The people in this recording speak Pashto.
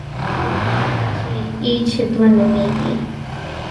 دویمه برخه چې اېچ دوه نومېږي.